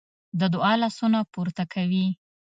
د دعا لاسونه پورته کوي.